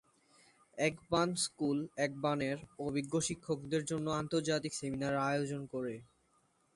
একবান school একবানের অভিজ্ঞ শিক্ষকদের জন্য আন্তর্জাতিক সেমিনারের আয়োজন করে।